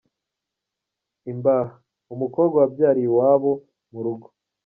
Imbaha : umukobwa wabyariye iwabo mu rugo.